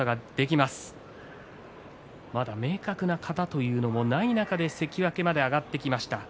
まだ明確な型というのがない中で関脇まで上がってきました。